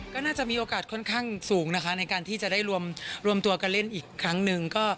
ก็น่าจะมีโอกาสค่อนข้างสูงนะคะในการที่จะได้รวมตัวกันเล่นอีกครั้งหนึ่ง